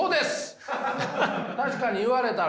確かに言われたら。